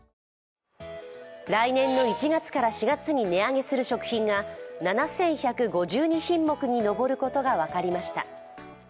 来年の１月から４月に値上げする食品が７１５２品目に上ることが分かりました。